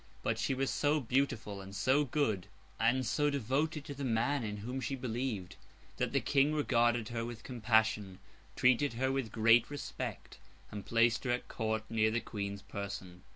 But she was so beautiful, and so good, and so devoted to the man in whom she believed, that the King regarded her with compassion, treated her with great respect, and placed her at Court, near the Queen's person.